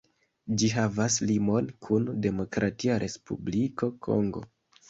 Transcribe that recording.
Ĝi havas limon kun Demokratia Respubliko Kongo.